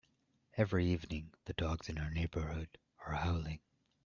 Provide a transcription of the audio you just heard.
Every evening, the dogs in our neighbourhood are howling.